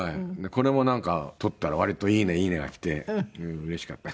これもなんか撮ったら割と「いいね」「いいね」がきてうれしかった。